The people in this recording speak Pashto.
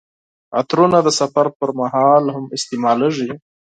عطرونه د سفر پر مهال هم استعمالیږي.